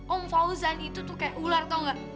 om fauzan itu tuh kayak ular tau gak